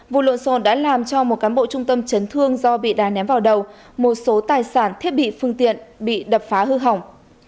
vụ lộn xộn đã làm cho một cán bộ trung tâm chấn thương do bị đá ném vào đầu một số tài sản thiết bị phương tiện bị đập phá hư hỏng